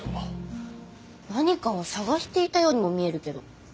何かを探していたようにも見えるけど。